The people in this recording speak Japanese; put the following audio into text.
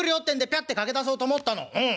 ゃっと駆け出そうと思ったのうん。